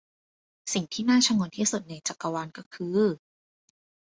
สิ่งที่น่าฉงนที่สุดในจักรวาลก็คือ